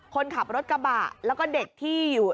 คนขับรถกระบะแล้วก็เด็กที่อยู่